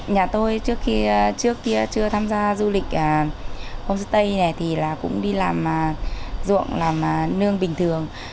nhà tôi trước kia chưa tham gia du lịch hôm xưa tây thì cũng đi làm ruộng làm nương bình thường